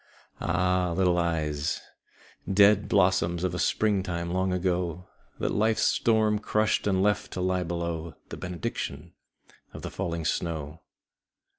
II Ah, little eyes Dead blossoms of a springtime long ago, That life's storm crushed and left to lie below The benediction of the falling snow!